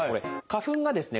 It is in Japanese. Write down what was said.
花粉がですね